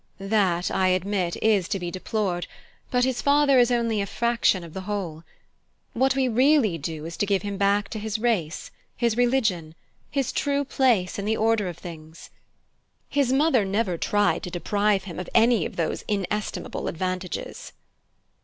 "That, I admit, is to be deplored; but his father is only a fraction of the whole. What we really do is to give him back to his race, his religion, his true place in the order of things." "His mother never tried to deprive him of any of those inestimable advantages!"